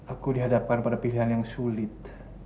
aku dihadapkan pada pilihan yang sulit